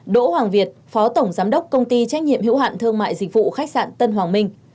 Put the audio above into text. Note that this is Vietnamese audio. đỗ hoàng việt phó tổng giám đốc công ty trách nhiệm hữu hạn thương mại dịch vụ khách sạn tân hoàng minh